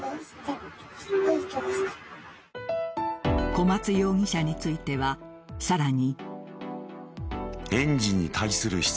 小松容疑者についてはさらに。